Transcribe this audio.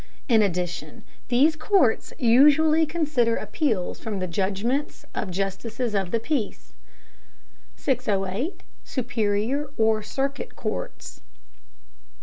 In addition these courts usually consider appeals from the judgments of justices of the peace. 608. SUPERIOR OR CIRCUIT COURTS.